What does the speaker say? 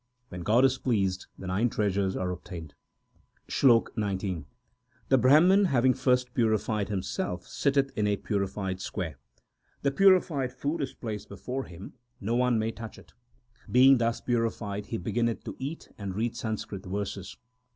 When God is pleased the nine treasures are obtained. SLOK XIX The Brahman having first purified himself sitteth in a purified square. The purified food is placed before him ; no one may touch it. Being thus purified, he beginneth to eat and read Sanskrit verses.